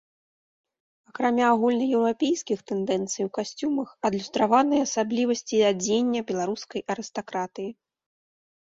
Акрамя агульнаеўрапейскіх тэндэнцый у касцюмах адлюстраваныя асаблівасці адзення беларускай арыстакратыі.